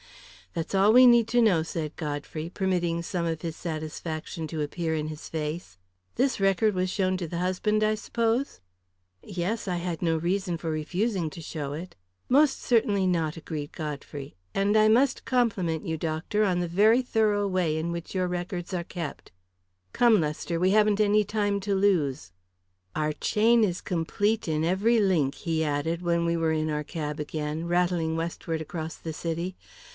"That's all we need to know," said Godfrey, permitting some of his satisfaction to appear in his face. "This record was shown to the husband, I suppose?" "Yes; I had no reason for refusing to show it." "Most certainly not," agreed Godfrey. "And I must compliment you, doctor, on the very thorough way in which your records are kept. Come, Lester, we haven't any time to lose. "Our chain is complete in every link," he added, when we were in our cab again, rattling westward across the city.